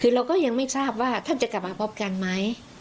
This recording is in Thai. คือเราก็ยังไม่ทราบว่าท่านจะกลับมาพบกันไหม